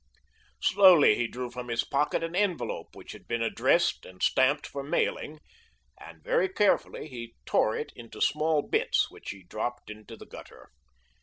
Slowly he drew from his pocket an envelope which had been addressed and stamped for mailing, and very carefully tore it into small bits which he dropped into the gutter.